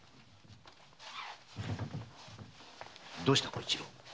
どうした？